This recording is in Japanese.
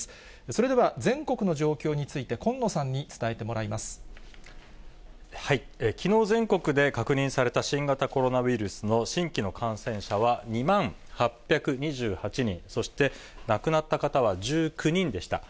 それでは全国の状況について、きのう、全国で確認された新型コロナウイルスの新規の感染者は２万８２８人、そして亡くなった方は１９人でした。